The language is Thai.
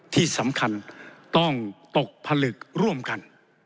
ที่สำคัญต้องตกผลึกร่วมกัน